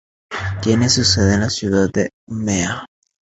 Tiene su sede en la ciudad de Umeå.